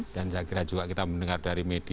dan saya kira juga kita mendengar dari media